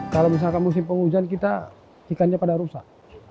kalau misalkan musim penghujan kita ikannya pada rusak